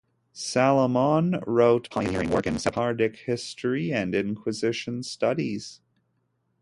Salomon wrote pioneering work in Sephardic history and Inquisition studies.